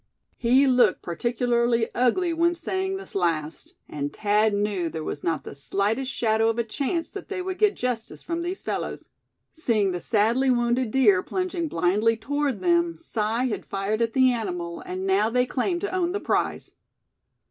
He looked particularly ugly when saying this last, and Thad knew there was not the slightest shadow of a chance that they would get justice from these fellows. Seeing the sadly wounded deer plunging blindly toward them, Si had fired at the animal, and now they claimed to own the prize!